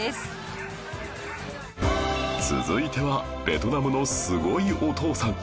続いてはベトナムのすごいお父さん